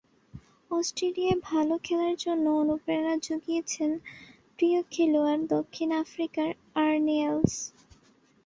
অস্ট্রেলিয়ায় ভালো খেলার জন্য অনুপ্রেরণা জুগিয়েছেন প্রিয় খেলোয়াড় দক্ষিণ আফ্রিকার আর্নি এলস।